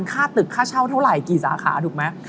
ค่าตึกค่าเช่าเท่าไหร่กี่สาขาถูกไหม